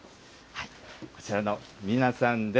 こちらの皆さんです。